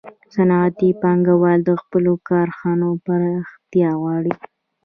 صنعتي پانګوال د خپلو کارخانو پراختیا غواړي